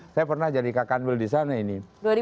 saya pernah jadi kakan bel di sana ini